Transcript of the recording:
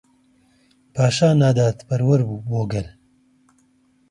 پاشا ناداپەروەر بوو بۆ گەل.